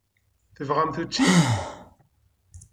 Tebɣamt učči?